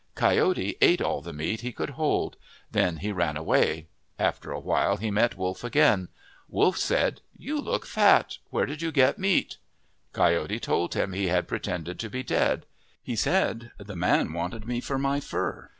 Coyote ate all the meat he could hold. Then he ran away. After a while he met Wolf again. Wolf said, " You look fat. Where did you get meat ?' Coyote told him he had pretended to be dead. He said, " The man wanted me for my fur.